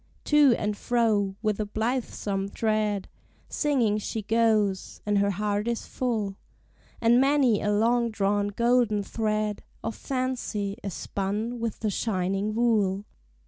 To and fro, with a blithesome tread, Singing she goes, and her heart is full, And many a long drawn golden thread Of fancy is spun with the shining wool.